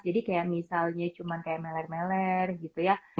jadi kayak misalnya cuma kayak meler meler gitu ya